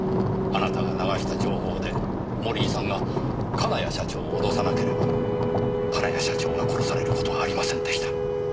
あなたが流した情報で森井さんが金谷社長を脅さなければ金谷社長が殺される事はありませんでした。